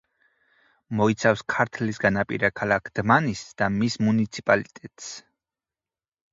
მოიცავს ქართლის განაპირა ქალაქ დმანისს და მის მუნიციპალიტეტს.